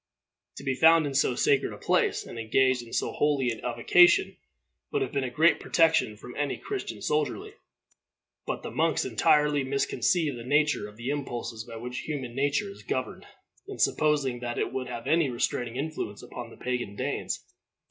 To be found in so sacred a place and engaged in so holy an avocation would have been a great protection from any Christian soldiery; but the monks entirely misconceived the nature of the impulses by which human nature is governed, in supposing that it would have any restraining influence upon the pagan Danes.